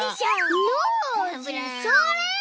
それ！